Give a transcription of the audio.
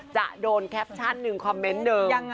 จะโดนแคปชั่น๑คอมเมนต์๑